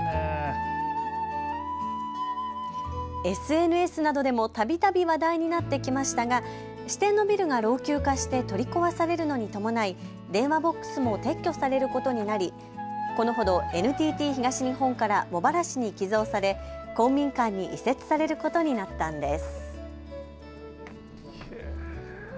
ＳＮＳなどでもたびたび話題になってきましたが支店のビルが老朽化して取り壊されるのに伴い電話ボックスも撤去されることになり、このほどＮＴＴ東日本から茂原市に寄贈され公民館に移設されることになったんです。